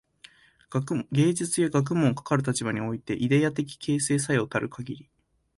芸術や学問も、かかる立場においてイデヤ的形成作用たるかぎり、